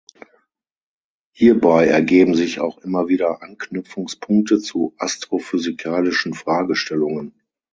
Hierbei ergeben sich auch immer wieder Anknüpfungspunkte zu astrophysikalischen Fragestellungen.